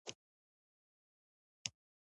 چې پلار يعنې څه؟؟!